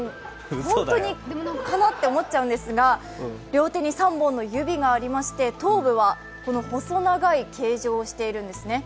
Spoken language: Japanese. ホントにかな？って思っちゃうんですが、両手に３本の指がありまして頭部は細長い形状をしているんですね。